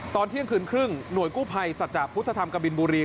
ตอนเที่ยงคืนครึ่งหน่วยกู้ภัยสัจจะพุทธธรรมกบินบุรี